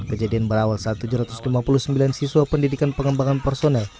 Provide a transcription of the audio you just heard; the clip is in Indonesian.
kejadian berawal saat tujuh ratus lima puluh sembilan siswa pendidikan pengembangan personel